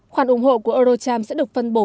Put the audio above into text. khoản ủng hộ của eurocharm sẽ được phân bổ